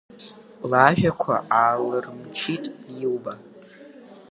Лажәақәа аалырмчит Лиуба.